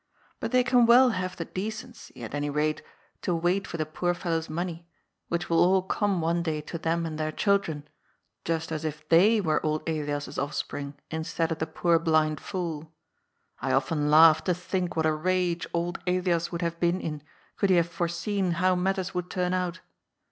But they can well have the decency, at any rate, to wait for the poor fellow's money, which will all come one day to them and their children, just as if they were old Elias's offspring instead of the poor blind fool. I often laugh to think what a rage old Elias would have been in, could he have foreseen how matters would turn out.